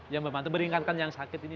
yang membantu meringankan yang sakit ini